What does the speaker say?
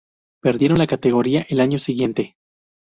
Perdieron la categoría el año siguiente.